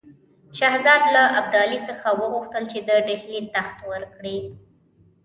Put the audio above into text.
شهزاده له ابدالي څخه وغوښتل چې د ډهلي تخت ورکړي.